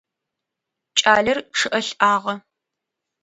Кӏалэр чъыӏэ лӏагъэ.